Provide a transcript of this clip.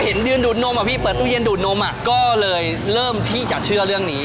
ยืนดูดนมอะพี่เปิดตู้เย็นดูดนมอ่ะก็เลยเริ่มที่จะเชื่อเรื่องนี้